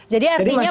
jadi artinya menurut